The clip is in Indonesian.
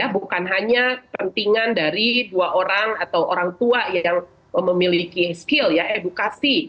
bukan hanya pentingan dari dua orang atau orang tua yang memiliki skill edukasi terkait pengasuhan positif